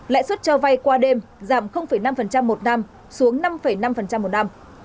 lãi suất cho vay qua đêm giảm năm một năm xuống năm năm một năm